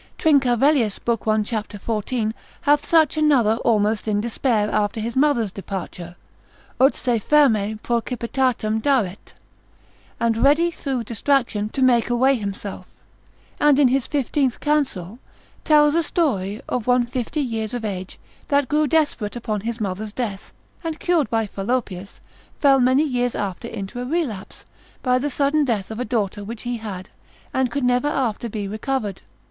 Trincavellius, l. 1. c. 14. hath such another, almost in despair, after his mother's departure, ut se ferme proecipitatem daret; and ready through distraction to make away himself: and in his Fifteenth counsel, tells a story of one fifty years of age, that grew desperate upon his mother's death; and cured by Fallopius, fell many years after into a relapse, by the sudden death of a daughter which he had, and could never after be recovered.